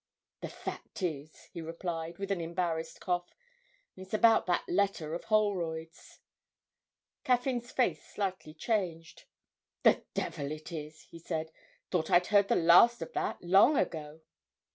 'The fact is,' he replied, with an embarrassed cough, 'it's about that letter of Holroyd's.' Caffyn's face slightly changed. 'The devil it is!' he said. 'Thought I'd heard the last of that long ago!'